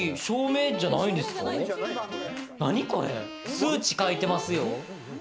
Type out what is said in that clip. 数値書いてますよ。